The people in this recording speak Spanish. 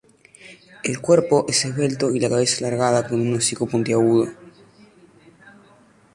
El cuerpo es esbelto y la cabeza alargada con un hocico puntiagudo.